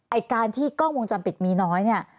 ไอ้การที่กล้องวงจรปิดมีน้อยเนี่ย